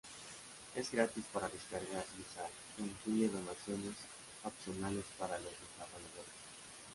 Es gratis para descargar y usar, e incluye donaciones opcionales para los desarrolladores.